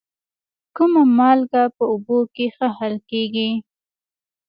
کومه مالګه په اوبو کې ښه حل کیږي؟